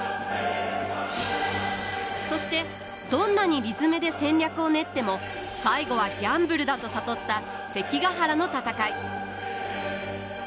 そしてどんなに理詰めで戦略を練っても最後はギャンブルだと悟った関ヶ原の戦い。